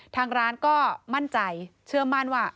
ทางร้านก็มั่นใจเชื่อมั่นว่า